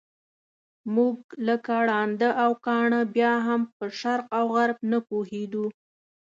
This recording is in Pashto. موږ لکه ړانده او کاڼه بیا هم په شرق او غرب نه پوهېدو.